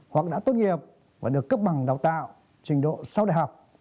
hoặc đã tốt nghiệp và được cấp bằng đào tạo trình độ sau đại học